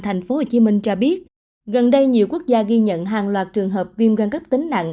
tp hcm cho biết gần đây nhiều quốc gia ghi nhận hàng loạt trường hợp viêm gan cấp tính nặng